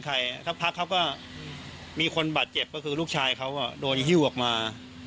หิ้วทางนี้หรือเปล่า